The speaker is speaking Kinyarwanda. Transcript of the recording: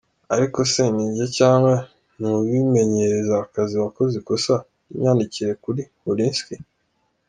Ariko se ninjye cyangwa ni uwimenyereza akazi wakoze ikosa ry’imyandikire kuri Wolinski!”.